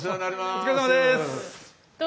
お疲れさまです。